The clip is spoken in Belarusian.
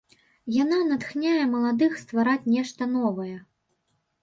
Яна натхняе маладых ствараць нешта новае.